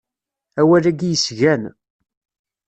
Awal-agi yesgan.